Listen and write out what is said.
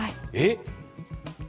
えっ。